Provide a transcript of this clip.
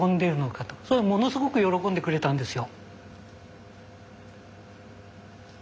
それものすごく喜んでくれたんですよ。